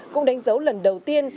cũng đánh dấu lần đầu tiên